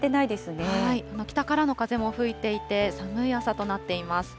北からの風も吹いていて、寒い朝となっています。